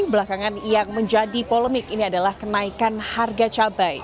belakangan yang menjadi polemik ini adalah kenaikan harga cabai